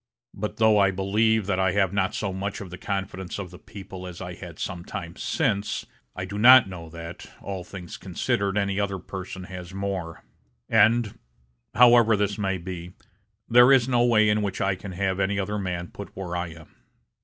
But, though I believe that I have not so much of the confidence of the people as I had some time since, I do not know that, all things considered any other person has more; and, however this may be, there is no way in which I can have any other man put where I am.